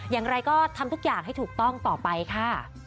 อย่างไรก็ทำทุกอย่างให้ถูกต้องต่อไปค่ะ